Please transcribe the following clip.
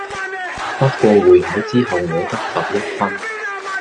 不過會考之後我得十一分⠀